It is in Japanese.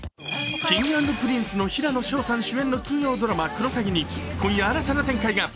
Ｋｉｎｇ＆Ｐｒｉｎｃｅの平野紫耀さん主演の金曜ドラマ「クロサギ」に今夜新たな展開が。